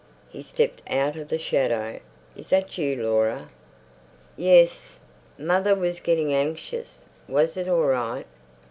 He stepped out of the shadow. "Is that you, Laura?" "Yes." "Mother was getting anxious. Was it all right?"